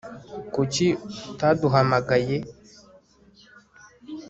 Kuki utaduhamagaye